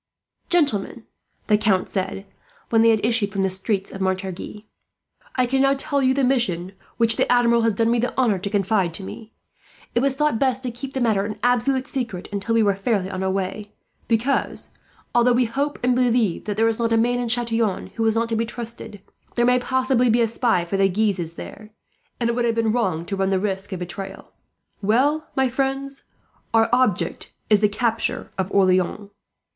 "Gentlemen," the Count said, when they had issued from the streets of Montargis, "I can now tell you the mission which the Admiral has done me the honour to confide to me. It was thought best to keep the matter an absolute secret, until we were thus fairly on our way; because, although we hope and believe that there is not a man at Chatillon who is not to be trusted, there may possibly be a spy of the Guises there, and it would have been wrong to run the risk of betrayal. "Well, my friends, our object is the capture of Orleans."